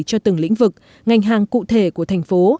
cho từng lĩnh vực ngành hàng cụ thể của thành phố